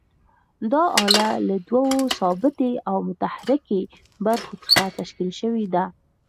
دا آله له دوو ثابتې او متحرکې برخو څخه تشکیل شوې ده.